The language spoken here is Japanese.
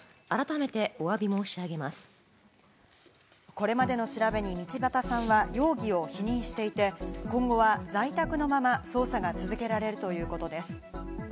これまでの調べに道端さんは容疑を否認していて今後は在宅のまま捜査が続けられるということです。